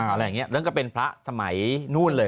อะไรอย่างนี้นั่นก็เป็นพระสมัยนู่นเลย